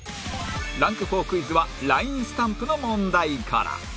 ランク４クイズは ＬＩＮＥ スタンプの問題から